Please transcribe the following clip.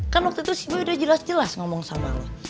kan waktu itu si gue udah jelas jelas ngomong sama allah